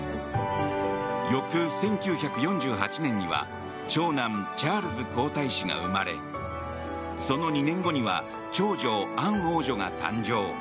翌１９４８年には長男チャールズ皇太子が生まれその２年後には長女、アン王女が誕生。